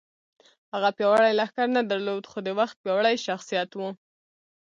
هغه پیاوړی لښکر نه درلود خو د وخت پیاوړی شخصیت و